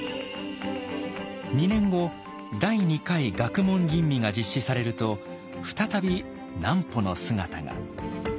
２年後第二回学問吟味が実施されると再び南畝の姿が。